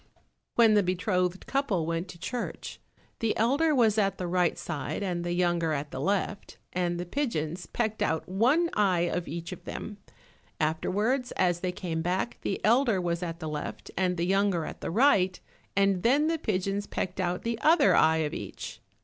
When the betrothed couple went to church, the elder was at the right side and the younger at the left, and the pigeons pecked out one eye of each of them. Afterwards as they came back, the elder was at the left, and the younger at the right, and then the pigeons pecked out the other eye of each.